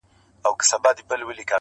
دا پاته عمر ملګي کومه ښه کومه .